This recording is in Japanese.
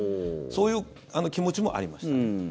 そういう気持ちもありましたね。